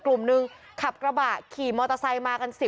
กลุ่มหนึ่งขับกระบะขี่มอเตอร์ไซค์มากัน๑๐